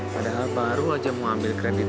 padahal baru aja mau ambil kredit